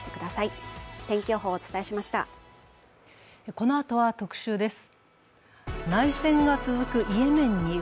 このあとは特集です。